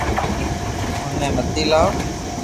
او ني متي لاو